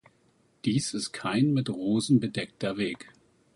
Dies ist kein mit Rosen bedeckter Weg.